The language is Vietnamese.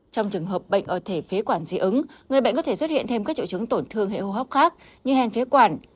trong trường hợp bệnh ở thể phía quản xị ứng người bệnh có thể xuất hiện thêm các triệu chứng tổn thương hệ hô hốc khác như hèn phía quản